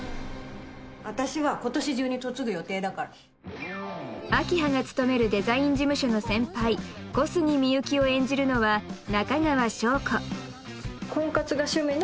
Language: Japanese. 私は今年中に嫁ぐ予定だから明葉が勤めるデザイン事務所の先輩小杉深雪を演じるのは中川翔子ヒエー！